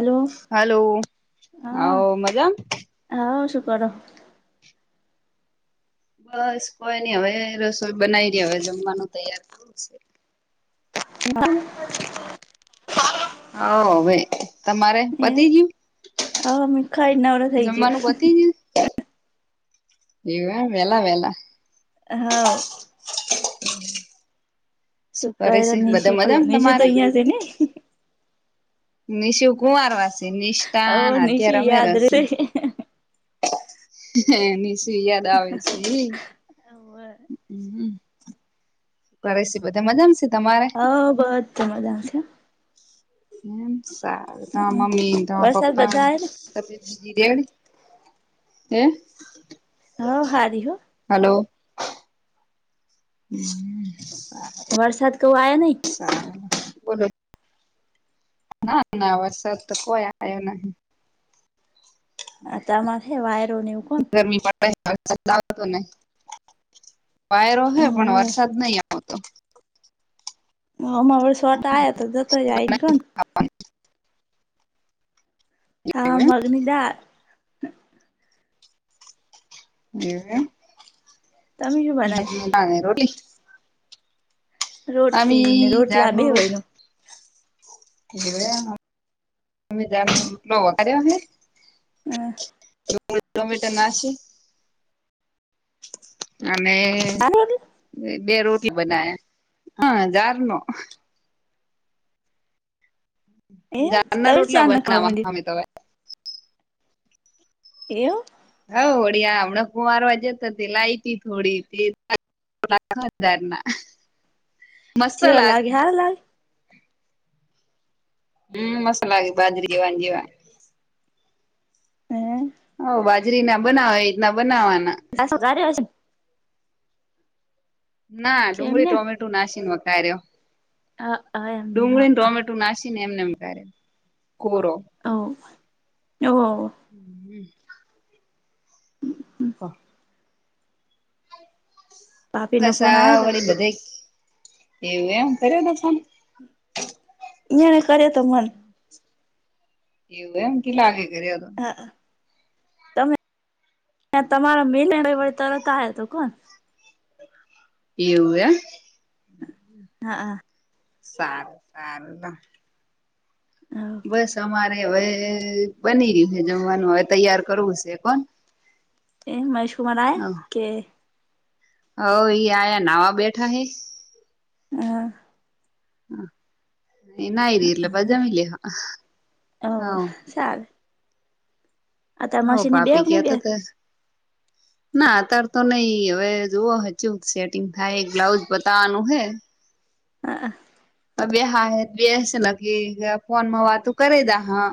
Hello hello. હા હવ મજામ? હા શું કરો? બસ કોઈ નહી હવે રસોઈ બનાવી ને હવે જમવાનું તૈયાર કરું છે. [unintelligible] [inaudible] હોવ હવે તમારે પતિ એમ ગયું? અમે ખાઈ નવરો થઈ ગયો જમવાનું પતિ ગયું? એવા વેલા વેલા. હોવ શું કરે છે બધા મજામાં નિશુ તો તમારે? અહીંયા છે ને નિશુ કુમાર વાસી નિષ્ઠા હવ ને નિશુ અધ્યા યાદ રમાડેસે રે નિશુ યાદ આવે છે. ભાવેશ એ બધા મજામાં છે તમારે હા બધા મજામાં છે. એમ સારું તમાર મમ્મી ન વરસાદ પાપ્પા બધા આયા ને બેન હે હા હારી હો હલો હ વરસાદ કવું આયા નહીં હા [unintelligible] ના ના વરસાદ તો કોઈ આવ્યો નહીં આ તમાર હે વાયરો ને એવું કોન [unintelligible] વાયરો હ પણ હોવે વરસાદ નહી આવે હ હમા હ સોટા આ્યા તો જતો જ આવી ને કો આપ ને હા એવુ એમ મગની દાળ એવું એમ. તમે શું બનાવ્યું મ ના રોટલી રોટલી ને અમી રોટલા જાડ ની રોટલી બેવયનું એ [unintelligible] હમ ટો મિત્ર નાસી અને જાને હવે બે રોટી બના્યા હા ઝાર નો એ જારના તમે રોટલા ચા ન ખાવા બનાવા મંડ્યા આમિત્રો એ એવું હ હોળી આમણાંકું મારવા જતો હતી લાઈટ થોડી પ્રાયના જેવા લાગે હાર લાગ હમ મસાલાાગે બાજરી જવાની જેવા હે હ બાજરી ના બનાવ એ રીતના બનાવવાના દસો કર્યોજ ના કે ડુંગળી એમને ટોમેટું નાસીને વકાર્યો હા એમને ડુંગળીને હા ટોમેટો નાસીને એમને એમ કરે કોરો ઓ ઓ [inaudible] [inaudible] હા ભાભી નો બસ ફોન આ આવ્યો વળી બધે એવું એમ કર્યો હતો ફોન ય ને કર તો મન એવું એમ કે લાગે કર તો? તમે તમારા મિલણ વ તરત આવ તો કોણ એવું એમ હા હા સાર સારું હમ બસ અમારે હવે બની રહ્યું છે જમવાનું હવે તૈયાર કરવું છે કોણ એ મહેશ કુમાર આય કે હ આયા નાવા બેઠા હે હા [unintelligible] ચાલે આ હવ તમાસી ને બેહો પાપી કે ની બે કેતા તા ના અતાર તો નઈ હવે જોવો હચુ સેટિંગ થાય બ્લાઉજ બતાવાનું હે હા બે હા હ બેસ લખી ફોનમાં વાતું કરી દા હા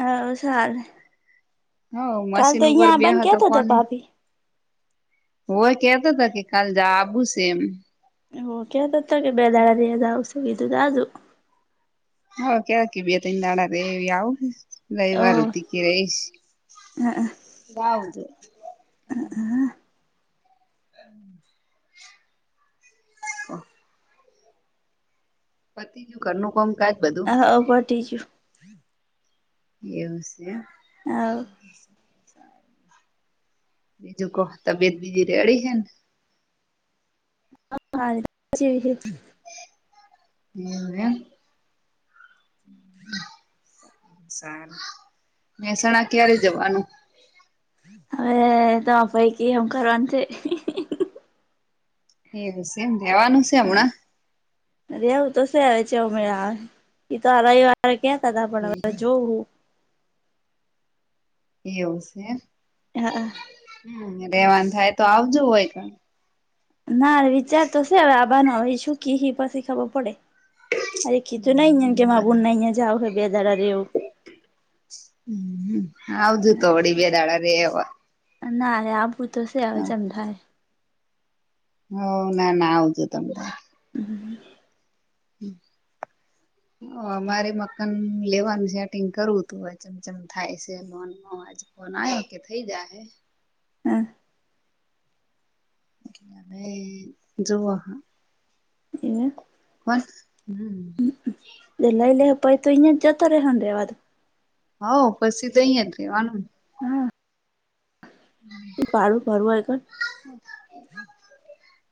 હા સાર હો કાલ તો મશીન ઉપર અહિયાં બેહ બંધ તો કેતો હતો ભાભી હય કેતો હતા કે કાલ જ આવું છે એમ [unintelligible] હ કેવાકે બે તન દાડા રેય એવી આવો ને એવા રતી ગિરેશ [inaudible] હ હમ હ પતિ ગયુ ઘરનું કોમ કાજ હ અ પતી ગયુ. એવુ સે એમ બીજું કો તબિયત બીજી રેડી હે ને [unintelligible] એવુ એમ સારું મહેસાણા ક્યારે જવાનું? હવે તો પૈકી એમ કરવાનું છે. એવું સે એમ જવાનુ સે હમણાં રેવુ તો શે અમણા હાલ છેમે એ તો રવિવારે કતા [unintelligible] હતાા પણ હવે જોવું એવું સે એમ હા હા હમ રહેેવાનું થાય તો આવજો વયક ના વિચાર તો છે હવે આવા નો ઈ શું કે પછી ખબર પડે અરે કીચુ નઈ કે બા બો નાહીયા જાવ બે દારા રેવું હ આવજું તો વડી બે દાળ રેવા ના આ ભું તો છે હ આવે જેમ થાય. હ ના ના આવજું તમરા હમ હમ [inaudible] હ અમારે મકાન લેવાનું છેટિંગ કરવું હતું ચમચમ થાય છે લોનવાજ હ ના કે થઇ જાય હે‌ હ એટલે જોવા હ એવું પણ હમ લઈ લેહે પહી તો અહ્યા જ જતા રેહે રેવા તો હઉ પછી તો અહયા રેવાનુંને હા એ પાડું ફરું આ [unintelligible]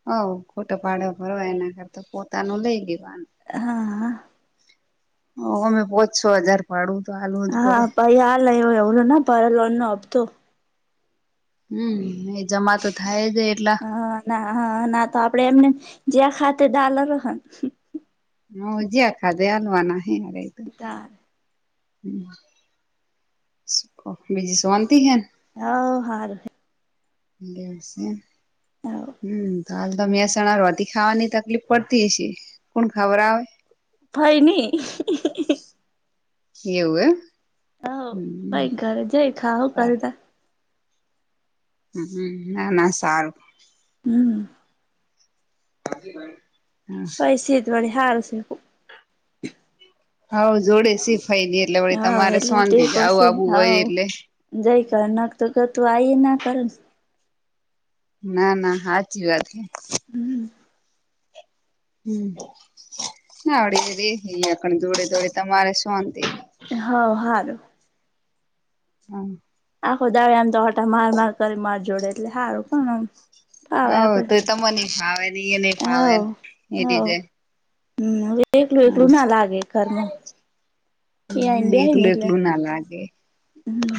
હ ખોટો ભાડો ભરવા એના કરતા પોતાનું લઈ લેવાનું હા ઓ અમે પોચ છો હજાર વાળું તો આલું હા પાઈ હ એવુંલો ના પરા લોન નો હફતો હમ્મ એ જમા તો થાય જાય એટલા હ ના હ ના તો આપડે એમને જ્યાં ખાતે [unintelligible] હમ્મ ઉજ્યાખાદે આલ્વાના હે તાર કો બીજી શાંતિ હેન હઓ હારુ હે ગેસ [unintelligible] હવ હમ્મ તો હાલ તો મેસણા રોટી ખાવાની તકલીફ પડતી હશે કોણ ખવરાવ ભઈ ન ઈ એવું એમ હ હમ ભઈ ઘરે જાય ખાવુ કરતા હમ્મ ના ના સારું. હમ્મ. [inaudible] પૈસા એ વળી હારુ શકું હા જોડે સિફાઈ ની એટલે વળી હવ તમારે એટલે શોનથી જ ટેકો આવું છે આવું હોય હવ એટલે જઈ કર નાખ તું કે તું આઈ ના કર ના ના સાચી વાત હે હમ્મ. હા વડી [unintelligible] જોડે જોડે તમારે શાંતિ હે હઓ હારુ હા. આખો દાળો આમ તો ઓટા માર માર કરી માર જોડે એટલે સારું પણ આમ ફાવે હઓ આપડે તો મને ને ફાવે ને એ ને ફાવે એ હવ હવ રીતેે હમ એકલું એકલું ના લાગે કરમ હમ્મ એકલું એકલું ના લાગે હમ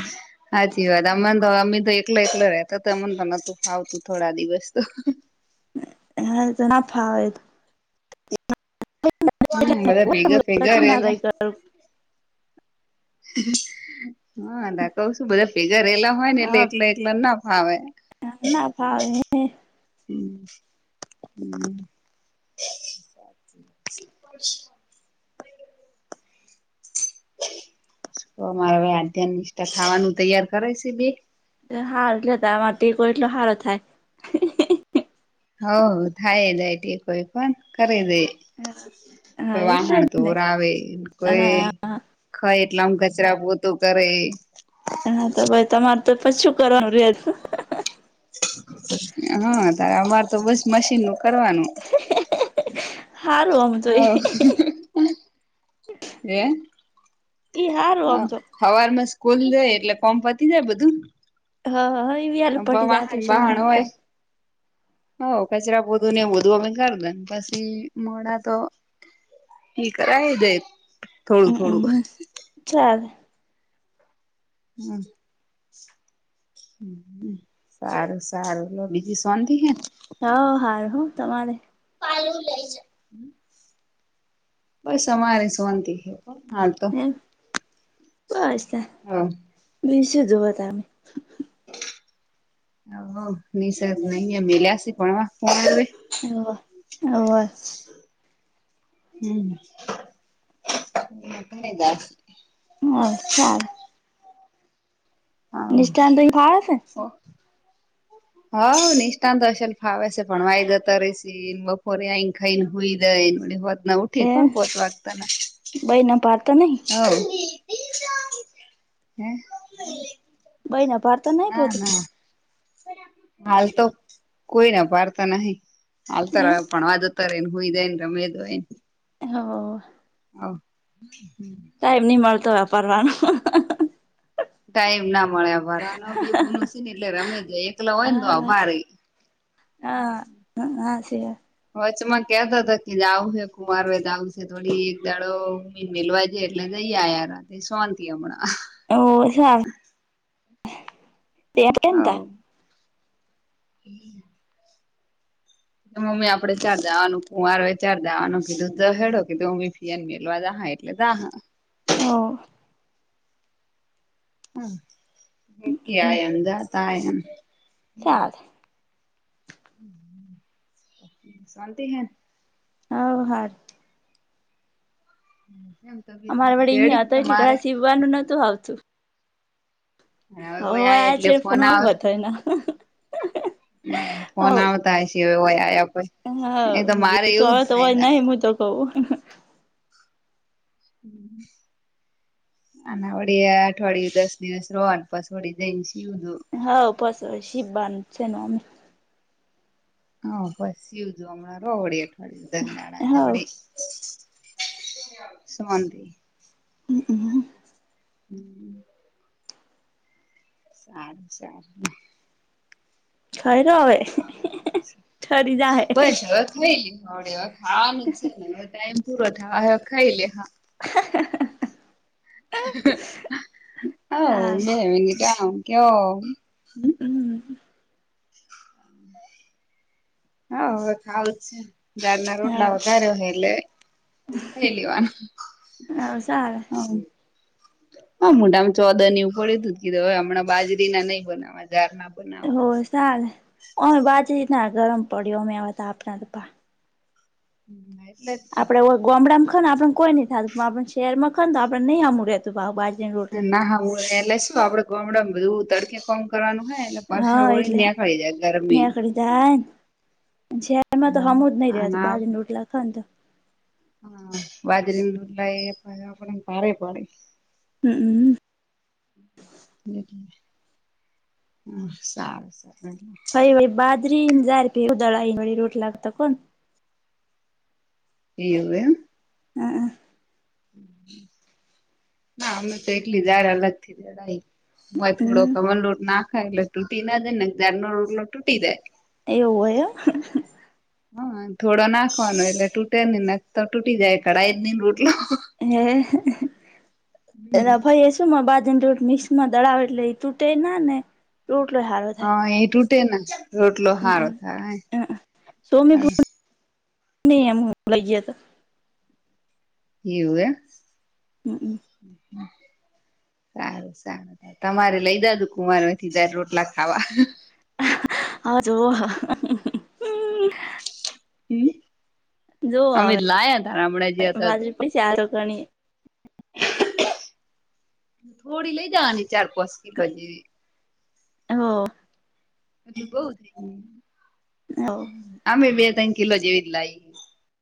સાચી વાત અમને તો અમે તો એકલા એકલા રેતા તો અમને તો નતું ફાવતું થોડા દિવસ તો હા ના ફાવે એ તો હમ બધા ભેગા ભેગા રેલા [unintelligible] [inaudible] હા કશું બધા ભેગા રહેેલા હોય ને એટલે હા એકલા એકલા ના ફાવે ના ફાવે હે ને [inaudible] અમારે હવે આધ્યાન નિષ્ઠા ખાવાનું તૈયાર કરે છે બે હારુ છે તમાર [unintelligible] હારુ થાય હઓ થાય [unintelligible] કોણ કરે દે હા કોઈ એટલે વાહણ જ ને ધોવરાવે કોઈ હા ખાય એટલામ કચરા પોતું કરે હા તો ભાઈ તમારે તો પઈ શું કરવાનું રેજ હા તારે અમારે તો બસ મશીન નું કરવાનું સારું આમ તો હઓ ઈ [inaudible] હે હ સારું આમ તો ખવાર માં સ્કૂલ જાય એટલે કોમ પતી જાય બધું હા હ એવી હાલ પટી વાહણ જતું છે વાહણ તમાર તો હોય હો કચરા પોતું ને એવુ બધું અમે કર દે ને પછી મોડા તો એ કરાય જાય થોડું થોડું ચાલ હમ્મ. સારું સારું લો બીજી શાંતિ હે ને હ હાર હું તમારે પાલુ લઈ જા બસ અમારે સોંતિ હે હાલ તો એમ હહ. બેસું જોવો તમે? હ નિસ નહી મલ્યાસી ભણવા હવે? હવે હવે. હમ હમણાં ઘરે જ આવશે. હ સાર. હોવ નિષ્ઠાંત તો ફાવે છે હો. હ નિસટાંત અશેલ ફાવે છે ભણવા એ જતો રહે છે. ન બપોરે અઈન ખઈન હુઈઈ નોડી સાંજના ઉઠ એ કો પોતવાતા. બઈ ના પા. હોવ [inaudible] હે? બઈના ના ના હાલ તો કોઈ ન હભારતા નહીં. હાલ તો અરે એમ ભણવા જતો રહે ને હુઈ જાય ને રમે તોય હહ હોવ હમ ટાઈમ નહીં મળતો વાપરવાનો. ટાઈમ ના મળે આભાર આનો બી ગુનું છે ને એટલે રમે જ એકલા હોય ને તો હા હભારે હા હાચી વાત વચમાં કેતા હતા કે આવ છે કુમાર હો તો આવશે થોડી એક દાડો. મેલવા જ એટલે જઈ આ રાતે શોંતિ હમણાં. હોવે શાંત [inaudible] હમ મમ્મી આપડે ચાર જવાનું કું માર ચાર જવાનું કીધું તો હેડો કીધું. દિયા ને મેલવા જહા એટલે જહા. હોવ. હ આ એમ જાતા આયામ. ચાલે. હમ તો બીજું શાંતિ હૈ ન? હોવ હાર હમ એમ તબિયત અમારે બીજી વડે રેડી અહિયાં હતો એટલે તમારે કદાચ સીવવાનું નહતું આવતું. હવેય હવે આય આ એટલે છે ફોન ફોનમાં આવે બધાના ફોન આવતા હશે હવે વોય આય અપે હા ગીતો હવે તો અવાજ નહી હું તો કઉું. હમ અના વળ અઠવાડિયું દસ દિવસ રોવાન પાછું વળી જઈશ સુવું જુ. હા, પાછો વાળુ સીવવાનું જ છે ને ઓમે. હા પસી શિવજો હમણાં ર હોડી અઠવાડિ હવ ધરનાણાવડી. શાંતિ હમ અમ હમ સારું સારું લો. ખઈરો હવે. ઠરી જાહે બસ હવે ખાઈ લે હવડે અત. ખાવાનું જ છે ને હવે ટાઈમ પૂરો થાય હ ખાઈ લે હા. હ હોવ સારું બે મિનિટ આમ કે ઓમ. હમ હોવ હવે ખાવું જ છે ન જારના રોટલા હવ વઘાર્યો હે એટલે ખાઈ લેવાનું હવ સારું હ. હા મોટામાં ચોદર એવું પડ તું જ કીધું હવે હમણાં બાજરી ના નહી બનાવા [unintelligible] [unintelligible] એટલે તો આપડે ગામડામાં ખ આપે કોઈ નઈ થતું પણ આપણે શહેરમાં ખ તો આપે નહીં આમું રહેતું ભાવ બાજરી ના રોટલા ના હા હું એટલે શું આપડે ગમડામાં બધું તડકે કોમ કરવાનું હોય એટલે પરસેવો હા વળીને એટલે નીકળી જાય ગરમી નેકડીધાય ને શેર એમાં તો હમું જ નહી અને રહ્યા બાજ નોટલા ખ તો હા બાજરી [unintelligible] હમ્મ હ સારું સારું. બાજરી [unintelligible] એવું એમ હા [unintelligible] હમ [unintelligible] એવું હે હા થોડો નાખવાનો એટલે તૂટે નહી ના તો તૂટી [unintelligible] નઈ રોટલો [unintelligible] [unintelligible] મિક્સ માં દળાવે એટલે એ તૂટે ના ને [unintelligible] હા એ તૂટે ના રોટલો હારો હમ થાય નહી એમું લઈએ તો એવું હે હમ્મ. [inaudible] સારું સારું તમારે લઈ જાજુ [unintelligible] રોટલા ખાવા [unintelligible] જોવો અમે હવે લાયા તા [unintelligible] [unintelligible] [unintelligible] હો હો [unintelligible] આમે બે ત્રણ કિલો જેવી જ લાઇ